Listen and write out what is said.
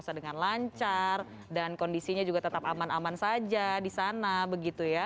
bisa dengan lancar dan kondisinya juga tetap aman aman saja di sana begitu ya